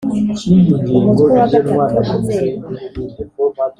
umutwe wa gatatu inzego